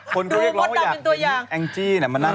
คนก็เรียกร้องว่าอยากแองจี้มานั่ง